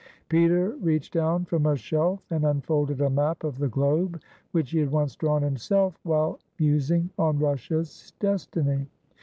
Peter reached down from a shelf, and unfolded a map of the globe which he had once drawn himself while mus ing on Russia's destiny.